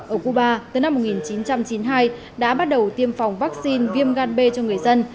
ở cuba từ năm một nghìn chín trăm chín mươi hai đã bắt đầu tiêm phòng vaccine viêm gan b cho người dân